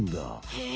へえ！